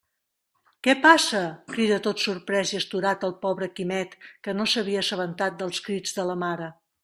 Què passa? —crida tot sorprés i astorat el pobre Quimet, que no s'havia assabentat dels crits de la mare.